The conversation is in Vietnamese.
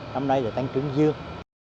năm nay thì tăng trưởng dương